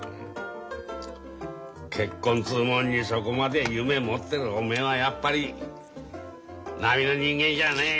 結婚っつうもんにそこまで夢持ってるおめえはやっぱり並の人間じゃねえ。